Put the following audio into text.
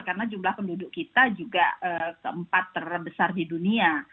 karena jumlah penduduk kita juga keempat terbesar di dunia